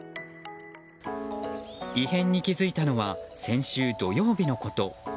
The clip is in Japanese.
異変に気付いたのは先週土曜日のこと。